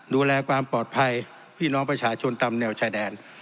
ดูแลความปลอดภัยพี่น้องประชาชนตามแนวชายแดน